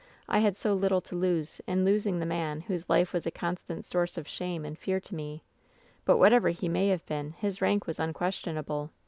I had so little to lose in losing the man whose life was a constant source of shame and fear to me ! But, whatever he may have been, his rank was unquestionable.